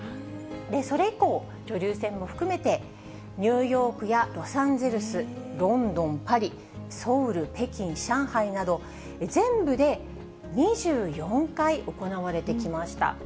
それ以降、女流戦も含めてニューヨークやロサンゼルス、ロンドン、パリ、ソウル、北京、上海など、全部で２４回行われてきました。